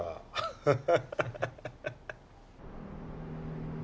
ハハハハ。